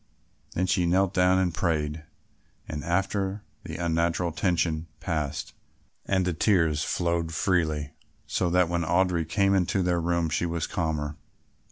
She then knelt down and prayed, and after that the unnatural tension passed and the tears flowed freely, so that when Audry came up to their room she was calmer.